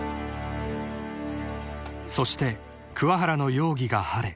［そして桑原の容疑が晴れ］